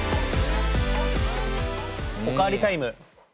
お代わりタイム。